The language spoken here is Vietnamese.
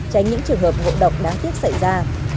tránh những trường hợp ngộ độc đáng tiếc xảy ra